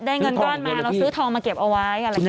เราซื้อทองมาเก็บเอาไว้อะไรแหละ